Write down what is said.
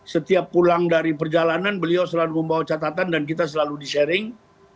setiap pulang dari perjalanan beliau selalu membawa catatan dan kita selalu di sharing